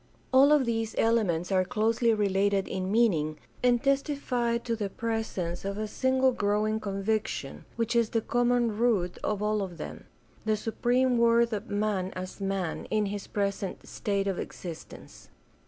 All of these elements are closely related in meaning and testify to the presence of a single growing conviction which is the common root of all of them — the supreme worth of man as man in his present state of existence.